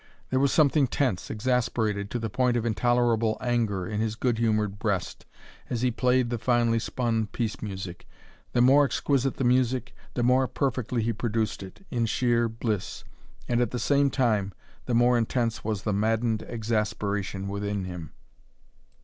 There was something tense, exasperated to the point of intolerable anger, in his good humored breast, as he played the finely spun peace music. The more exquisite the music, the more perfectly he produced it, in sheer bliss; and at the same time, the more intense was the maddened exasperation within him.